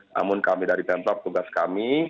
namun kami dari pemprov tugas kami